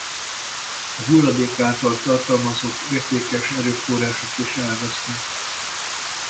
A hulladék által tartalmazott értékes erőforrások is elvesznek.